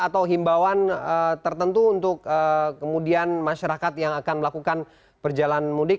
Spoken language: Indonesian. atau himbauan tertentu untuk kemudian masyarakat yang akan melakukan perjalanan mudik